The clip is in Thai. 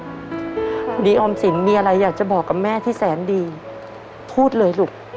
ดีออมสินมีอะไรอยากจะบอกกับแม่ที่แสนดีพูดเลยลูก